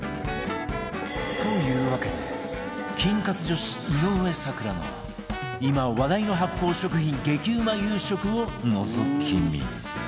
というわけで菌活女子井上咲楽の今話題の発酵食品激うま夕食をのぞき見